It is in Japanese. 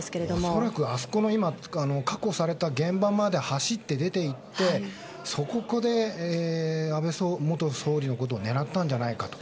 恐らく確保された現場まで走って出て行って、そこで安倍元総理のことを狙ったんじゃないかと。